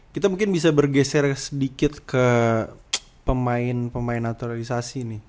kita mungkin bisa bergeser sedikit ke pemain pemain naturalisasi nih